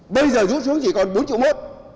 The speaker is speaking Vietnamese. bây giờ rút xuống chỉ còn bốn một triệu